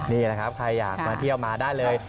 นี่แหละครับใครอยากมาเที่ยวมาได้เลย